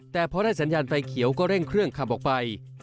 แต่พอได้สัญญาณไฟเขียวก็เร่งเครื่องขับออกไป